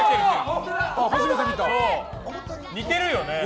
似てるよね。